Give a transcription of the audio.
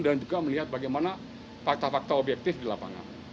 dan juga melihat bagaimana fakta fakta objektif di lapangan